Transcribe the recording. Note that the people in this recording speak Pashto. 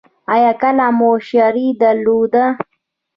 ایا کله مو شری درلوده؟